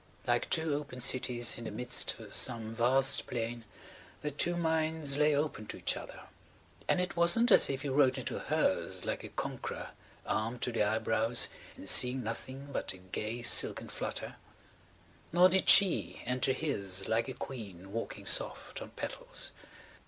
Like two open cities in the midst of some vast plain their two minds lay open to each other. And it wasn't as if he rode into hers like a conqueror, armed to the eyebrows and seeing nothing but a gay silken flutter–nor did she enter his like a queen walking soft on petals.